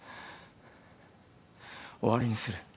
終わりにする。